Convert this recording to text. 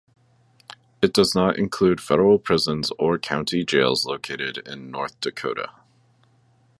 It does not include federal prisons or county jails located in North Dakota.